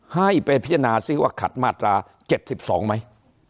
ให้ไปพิจารณาซิว่าขัดมาตรา๗๒ไหม